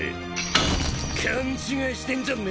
勘違いしてんじゃねえぞてめえ！